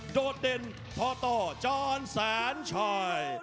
โดดเด่นท่อต่อจานแสนชาย